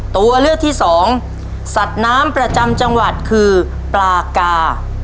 ตัวเลือกที่สองสัตว์น้ำประจำจังหวัดคือปลากา